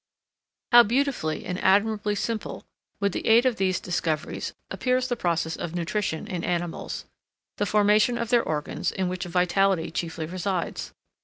How beautifully and admirably simple, with the aid of these discoveries, appears the process of nutrition in animals, the formation of their organs, in which vitality chiefly resides!